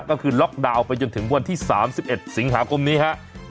ก็คือล็อกดาวน์ไปจนถึงวันที่๓๑สิงหาคมนี้ฮะ